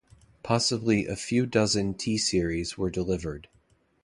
Possibly a few dozen T-series were delivered.